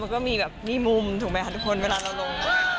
มันก็มีมุมถูกไหมครับทุกคนเวลาเราลง